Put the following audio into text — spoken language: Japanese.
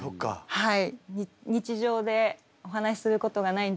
はい。